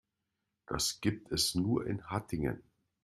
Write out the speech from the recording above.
Das gibt es nur in Hattingen